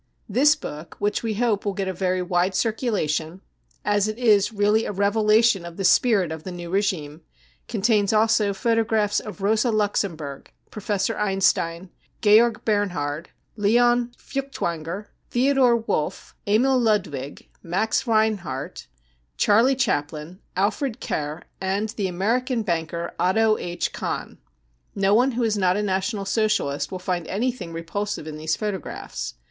* c This book, which we hope will get a very wide circula tion, as it is really a revelation of the " spirit " of the new regime, contains also photographs of Rosa Luxemburg, Professor Einstein, Georg Bernhard, Lion Feuchtwanger, Theodor Wolff, Emil Ludwig, Max Reinhardt, Charlie Chaplin, Alfred Kerr and the American banker Otto H. Kahn. No one who is not a National Socialist will find any thing repulsive in these photographs.